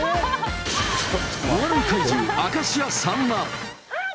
お笑い怪獣、明石家さんま。